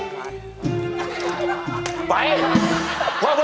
ไหว